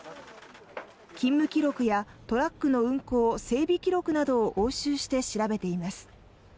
勤務記録やトラックの運行・整備記録などを押収して調べています。